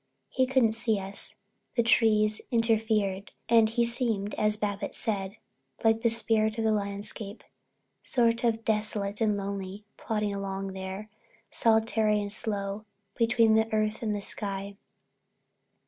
He couldn't see us—the trees interfered—and he seemed, as Babbitts said, like the spirit of the landscape—sort of desolate and lonely, plodding along there, solitary and slow, between the earth and the sky.